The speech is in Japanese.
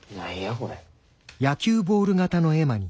これ。